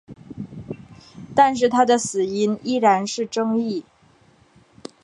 但是他的死因依然是争议。